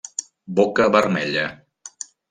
Boca vermella.